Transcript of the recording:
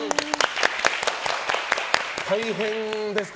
大変ですか？